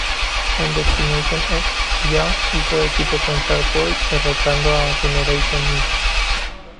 En "Destination X", Young hizo equipo con Shark Boy, derrotando a Generation Me.